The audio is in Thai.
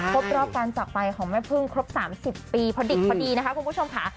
ครบรอบการจากไปของแม่พึ่งครบ๓๐ปีพอดิบพอดีนะคะคุณผู้ชมค่ะ